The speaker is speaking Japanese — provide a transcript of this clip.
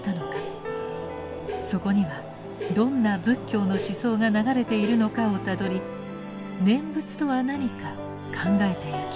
そこにはどんな仏教の思想が流れているのかをたどり念仏とは何か考えてゆきます。